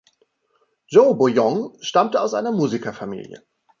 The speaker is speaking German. Jo Bouillon stammte aus einer Musikerfamilie.